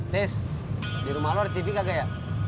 tes di rumah lo ada tv kakek ya